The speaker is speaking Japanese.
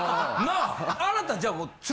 あなたじゃあ。